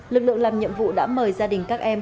lực lượng làm nhiệm vụ đã mời gia đình các em